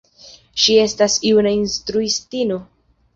Ŝi estas juna instruistino.